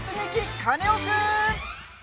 カネオくん」。